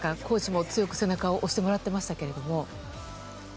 コーチにも強く背中を押してもらってましたけども。